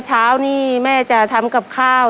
เช้านี้แม่จะทำกับข้าว